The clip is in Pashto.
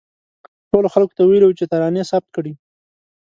ټولو خلکو ته ویلي وو چې ترانې ثبت کړي.